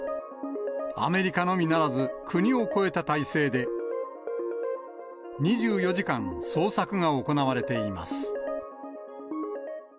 アメリカのみならず、国を越えた態勢で、２４時間、捜索が行われています。